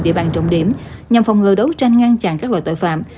địa bàn trọng điểm nhằm phòng ngừa đấu tranh ngăn chặn các loại tội phạm